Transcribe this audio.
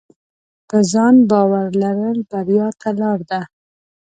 په ځان باور لرل بریا ته لار ده.